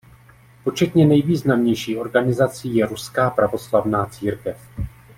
Početně nejvýznamnější organizací je Ruská pravoslavná církev.